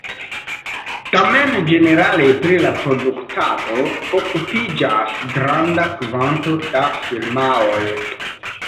Tamen ĝenerale pri la produktado okupiĝas granda kvanto da firmaoj.